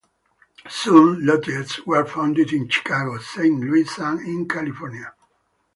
Soon Lodges were founded in Chicago, Saint Louis and in California.